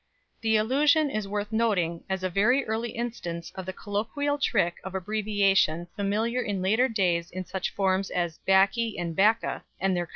The allusion is worth noting as a very early instance of the colloquial trick of abbreviation familiar in later days in such forms as "baccy" and "bacca" and their compounds.